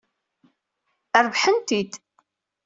Rebḥen-t-id.